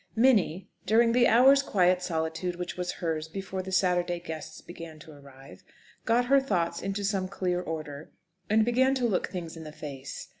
Minnie, during the hour's quiet solitude which was hers before the Saturday guests began to arrive, got her thoughts into some clear order, and began to look things in the face.